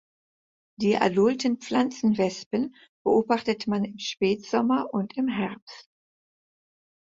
Die adulten Pflanzenwespen beobachtet man im Spätsommer und im Herbst.